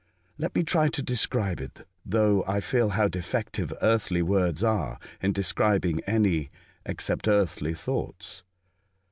Let me try to describe it, though I feel how defective earthly words are in describing any except earthly thoughts.